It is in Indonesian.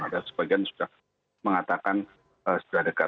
ada sebagian sudah mengatakan sudah dekat